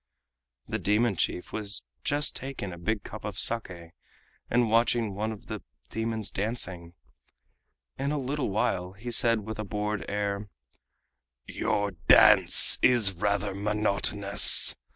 The demon chief was just taking a big cup of SAKE and watching one of the demons dancing. In a little while he said with a bored air: "Your dance is rather monotonous.